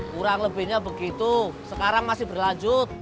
kurang lebihnya begitu sekarang masih berlanjut